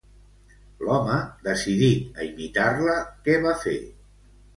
L'home, decidit a imitar-la, què va fer?